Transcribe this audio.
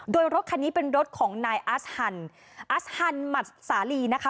โดยรถคันนี้เป็นรถของนายอาสฮันอัสฮันมัสสาลีนะคะ